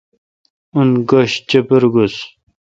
اون گش چیپر گوس۔